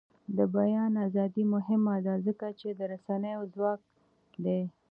د بیان ازادي مهمه ده ځکه چې د رسنیو ځواک دی.